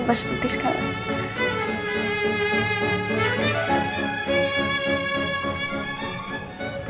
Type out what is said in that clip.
mas putih sekarang